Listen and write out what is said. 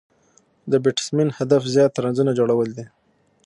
د بېټسمېن هدف زیات رنزونه جوړول دي.